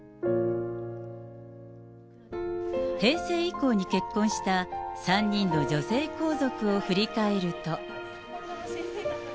平成以降に結婚した３人の女性皇族を振り返ると。